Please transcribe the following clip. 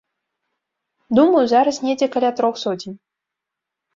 Думаю, зараз недзе каля трох соцень.